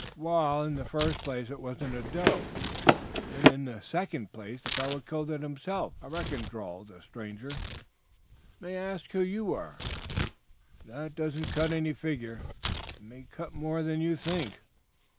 "Wall, in the first place it wasn't a doe and in the second place the fellow killed it himself, I reckon," drawled the stranger. "May I ask who you are?" "That doesn't cut any figure." "It may cut more than you think."